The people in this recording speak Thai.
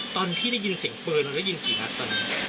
ตอนที่ได้ยินเสียงปืนเราได้ยินกี่นัดตอนนั้น